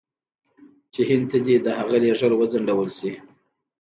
چې هند ته دې د هغه لېږل وځنډول شي.